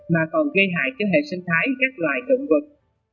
mà còn gây hại cho hệ sinh thái các loài động vật